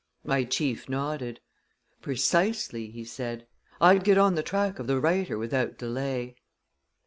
My chief nodded. "Precisely," he said. "I'd get on the track of the writer without delay."